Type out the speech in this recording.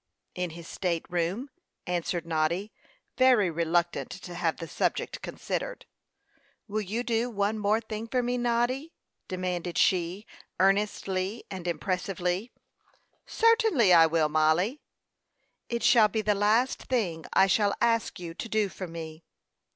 "In his state room," answered Noddy, very reluctant to have the subject considered. "Will you do one thing more for me, Noddy?" demanded she, earnestly and impressively. "Certainly, I will, Mollie." "It shall be the last thing I shall ask you to do for me."